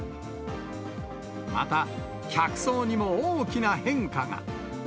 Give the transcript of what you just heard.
また客層にも大きな変化が。